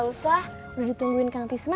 gak usah udah ditungguin kang tisma